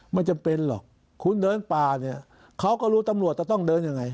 ไม่จำเป็นหรอกคุณเดินป่าเนี่ยเขาก็รู้ตำรวจจะต้องเดินยังไง